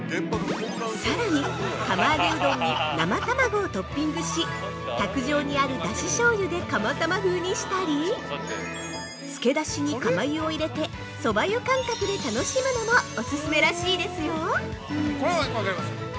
◆さらに、釜揚げうどんに生卵をトッピングし、卓上にあるだししょうゆで釜玉風にしたりつけだしに釜湯を入れてそば湯感覚で楽しむのもオススメらしいですよ。